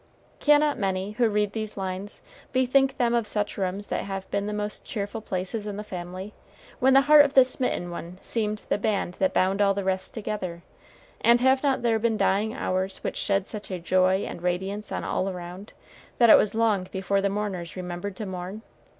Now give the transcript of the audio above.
Cannot many, who read these lines, bethink them of such rooms that have been the most cheerful places in the family, when the heart of the smitten one seemed the band that bound all the rest together, and have there not been dying hours which shed such a joy and radiance on all around, that it was long before the mourners remembered to mourn?